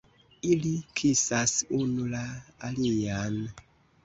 Ili kisas unu la alian!